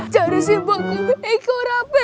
jangan sibuk ikut rabe